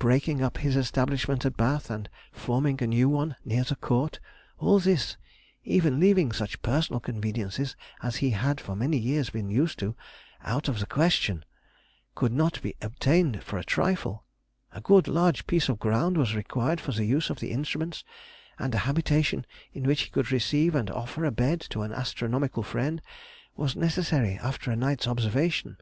breaking up his establishment at Bath and forming a new one near the Court, all this, even leaving such personal conveniences as he had for many years been used to, out of the question, could not be obtained for a trifle; a good large piece of ground was required for the use of the instruments, and a habitation in which he could receive and offer a bed to an astronomical friend, was necessary after a night's observation.